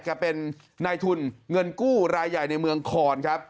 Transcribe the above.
เป็นนายทุนเงินกู้รายใหญ่ในเมืองคอนครับ